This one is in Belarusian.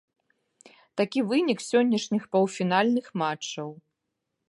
Такі вынік сённяшніх паўфінальных матчаў.